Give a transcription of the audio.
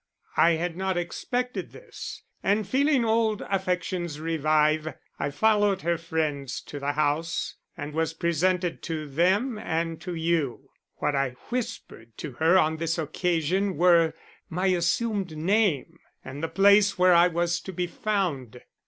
I had not expected this, and feeling old affections revive, I followed her friends to the house and was presented to them and to you. What I whispered to her on this occasion were my assumed name and the place where I was to be found.